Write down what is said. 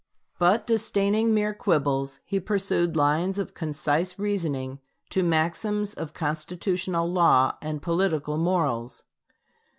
But, disdaining mere quibbles, he pursued lines of concise reasoning to maxims of constitutional law and political morals.